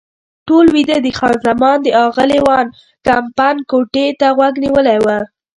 ټول ویده دي، خان زمان د اغلې وان کمپن کوټې ته غوږ نیولی و.